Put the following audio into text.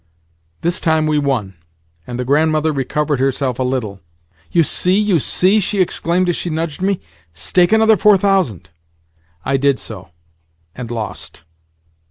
This time we won, and the Grandmother recovered herself a little. "You see, you see!" she exclaimed as she nudged me. "Stake another four thousand." I did so, and lost.